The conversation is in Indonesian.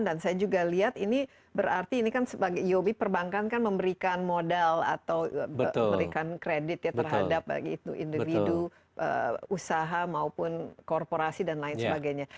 dan saya juga lihat ini berarti ini kan sebagai yobi perbankan kan memberikan modal atau memberikan kredit terhadap individu usaha maupun korporasi dan lain sebagainya